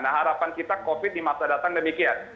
nah harapan kita covid di masa datang demikian